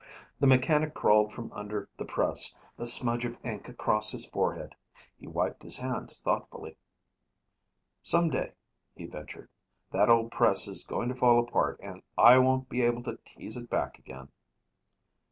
The mechanic crawled from under the press, a smudge of ink across his forehead. He wiped his hands thoughtfully. "Some day," he ventured, "that old press is going to fall apart and I won't be able to tease it back again."